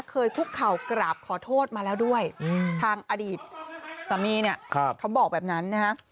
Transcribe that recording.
คุกเข่ากราบขอโทษมาแล้วด้วยทางอดีตสามีเนี่ยเขาบอกแบบนั้นนะฮะ